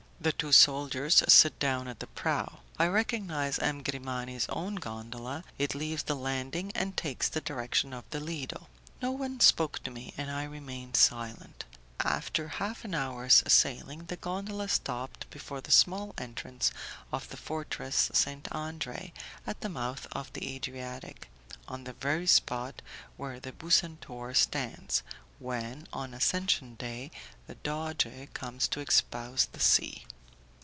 The two soldiers sit down at the prow; I recognize M. Grimani's own gondola, it leaves the landing and takes the direction of the Lido. No one spoke to me, and I remained silent. After half an hour's sailing, the gondola stopped before the small entrance of the Fortress St. Andre, at the mouth of the Adriatic, on the very spot where the Bucentaur stands, when, on Ascension Day, the doge comes to espouse the sea.